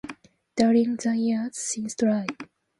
During the years since Try!